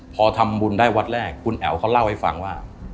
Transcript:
พอทำบุญได้วัดแรกคุณแอ๋วเขาเล่าให้ฟังว่า